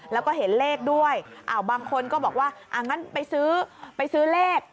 แล้วก็เห็นเลขด้วยบางคนก็บอกว่างั้นไปซื้อเลข